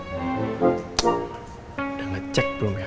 udah ngecek belum ya